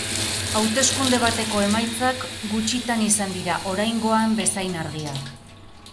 Hauteskunde bateko emaitzak, gutxitan izan dira oraingoan bezain argiak.